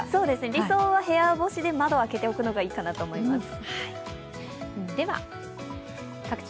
理想は部屋干しで窓を開けておくのがいいかなと思います。